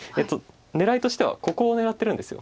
狙いとしてはここを狙ってるんです。